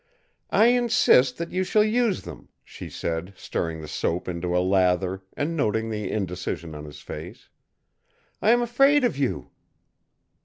"I insist that you shall use them," she said, stirring the soap into a lather, and noting the indecision in his face. "I am afraid of you!"